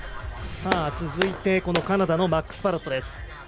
続いてカナダのマックス・パロット。